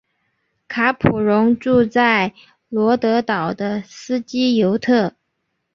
卡普荣住在罗德岛的斯基尤特。